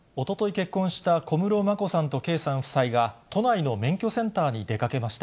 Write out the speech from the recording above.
結婚した小室眞子さんと圭さん夫妻が、都内の免許センターに出かけました。